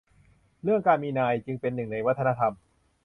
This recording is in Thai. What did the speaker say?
เรื่องการมีนาย จึงเป็นหนึ่งในวัฒนธรรม